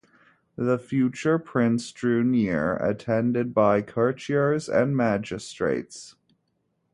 The future prince drew near, attended by courtiers and magistrates.